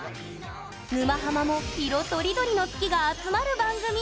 「沼ハマ」も、いろとりどりの「好き」が集まる番組。